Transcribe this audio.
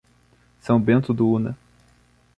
São Bento do Una